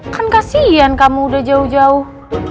kan kasian kamu udah jauh jauh